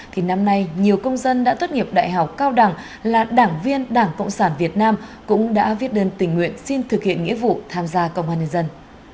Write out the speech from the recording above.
thì năm nay nhiều công dân đã tốt nghiệp đại học cao đẳng là đảng viên đảng cộng sản việt nam cũng đã viết đơn tình nguyện xin thực hiện nghĩa vụ tham gia công an nhân dân